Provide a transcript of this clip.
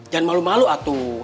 jangan malu malu atuh